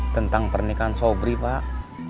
tentang pernikahan sobri pak